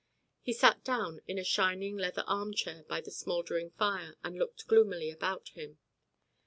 He sat down in a shining leather armchair by the smouldering fire and looked gloomily about him.